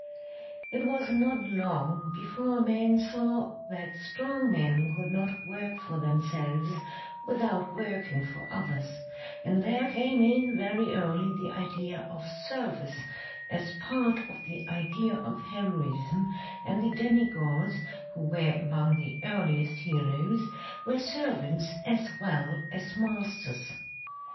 It was not long before men saw that strong men could not work for themselves without working for others, and there came in very early the idea of service as part of the idea of heroism, and the demi gods, who were among the earliest heroes, were servants as well as masters.